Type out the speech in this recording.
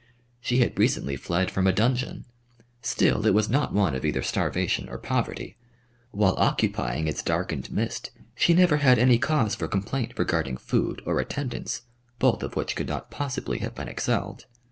She had recently fled from a dungeon, still it was not one of either starvation or poverty. Whilst occupying its darkened midst she never had any cause for complaint regarding food or attendance, both of which could not possibly have been excelled.